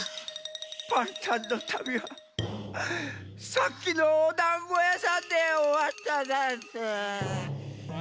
パンタンのたびはさっきのおだんごやさんでおわったざんす。